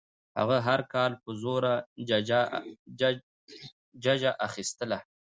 هغه هر کال په زوره ججه اخیستله.